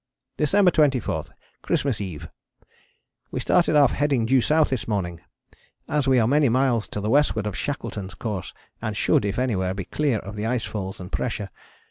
December 24. Christmas Eve. We started off heading due south this morning, as we are many miles to the westward of Shackleton's course and should if anywhere be clear of the ice falls and pressure.